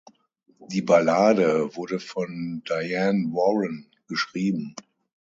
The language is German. Die Ballade wurde von Diane Warren geschrieben.